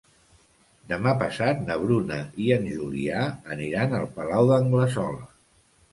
Demà passat na Bruna i en Julià aniran al Palau d'Anglesola.